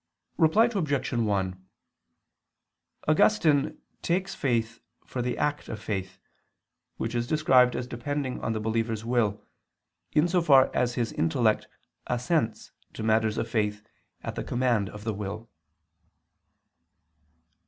Reply Obj. 1: Augustine takes faith for the act of faith, which is described as depending on the believer's will, in so far as his intellect assents to matters of faith at the command of the will.